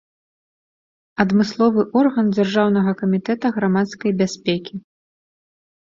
Адмысловы орган дзяржаўнага камітэта грамадскай бяспекі.